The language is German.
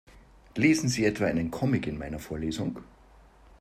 Lesen Sie etwa einen Comic in meiner Vorlesung?